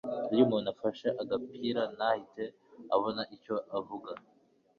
iyo umuntu afashe agapira ntahite abona icyo avuga